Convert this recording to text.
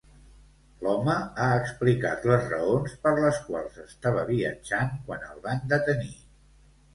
L'home ha explicat les raons per les quals estava viatjant quan el van detenir.